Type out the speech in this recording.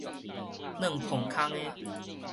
軁磅空的